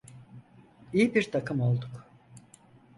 İyi bir takım olduk.